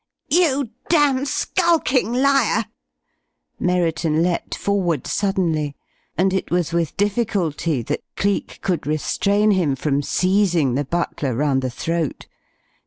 "You damned, skulking liar!" Merriton leapt forward suddenly, and it was with difficulty that Cleek could restrain him from seizing the butler round the throat.